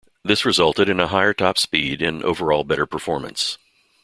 This resulted in a higher top speed and overall better performance.